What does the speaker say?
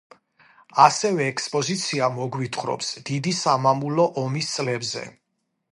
ასევე ექსპოზიცია მოგვითხრობს დიდი სამამულო ომის წლებზე.